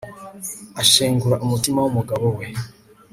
ashengura umutima w'umugabo we